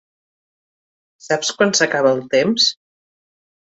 Saps quan s'acaba el temps?